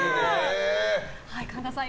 神田さん